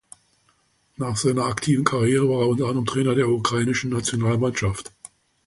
Nach seiner aktiven Karriere war er unter anderem Trainer der ukrainischen Nationalmannschaft.